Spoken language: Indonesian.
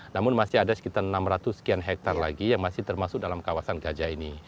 namun masih ada sekitar enam ratus sekian hektare lagi yang masih termasuk dalam kawasan gajah ini